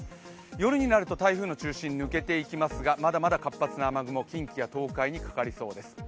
夜になると台風の中心抜けていきますがまだまだ活発な雨雲近畿や東海にかかりそうです。